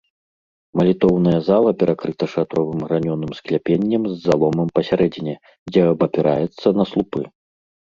Малітоўная зала перакрыта шатровым гранёным скляпеннем з заломам пасярэдзіне, дзе абапіраецца на слупы.